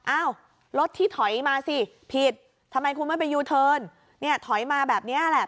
อ้าวรถที่ถอยมาสิผิดทำไมคุณไม่ไปยูเทิร์นเนี่ยถอยมาแบบนี้แหละ